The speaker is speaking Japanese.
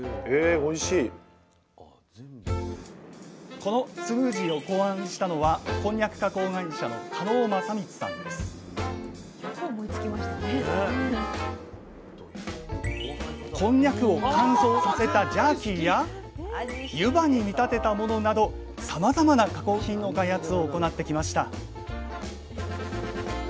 このスムージーを考案したのはこんにゃくを乾燥させたジャーキーや湯葉に見立てたものなどさまざまな加工品の開発を行ってきました